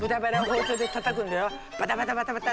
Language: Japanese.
バタバタバタバタ！